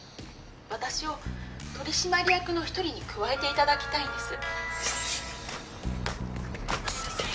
私を取締役の一人に加えていただきたいんです